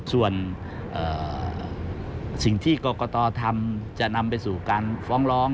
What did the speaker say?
ส่วนสิ่งที่กรกตทำจะนำไปสู่การฟ้องร้อง